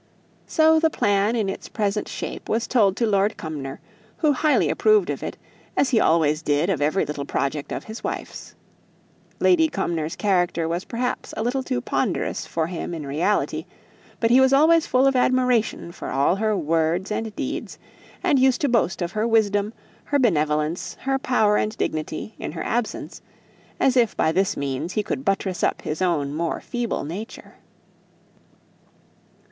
So the plan in its present shape was told to Lord Cumnor, who highly approved of it; as he always did of every project of his wife's. Lady Cumnor's character was perhaps a little too ponderous for him in reality, but he was always full of admiration for all her words and deeds, and used to boast of her wisdom, her benevolence, her power and dignity, in her absence, as if by this means he could buttress up his own more feeble nature.